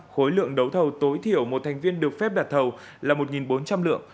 khối lượng đấu thầu tối thiểu một thành viên được phép đặt thầu là một bốn trăm linh lượng